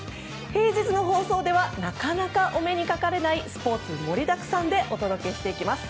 平日の放送ではなかなかお目にかかれないスポーツ盛りだくさんでお届けしていきます。